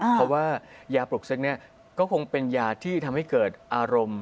เพราะว่ายาปลุกเซ็กนี้ก็คงเป็นยาที่ทำให้เกิดอารมณ์